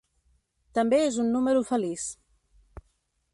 També és un número feliç.